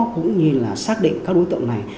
cũng như là xác định các đối tượng này